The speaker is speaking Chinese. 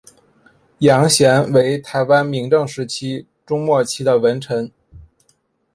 杨贤为台湾明郑时期中末期的文臣。